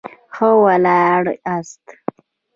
ښه ولاړاست.